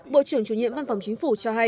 bộ trưởng chủ nhiệm văn phòng chính phủ cho hay